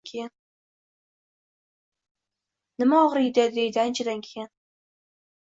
Nima og‘riydi? — deydi anchadan keyin.